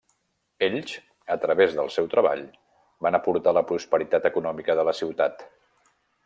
Ells, a través del seu treball, van aportar la prosperitat econòmica de la ciutat.